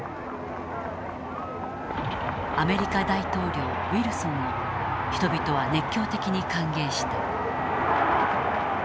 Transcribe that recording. アメリカ大統領ウィルソンを人々は熱狂的に歓迎した。